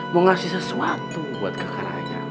mau ngasih sesuatu buat kak raya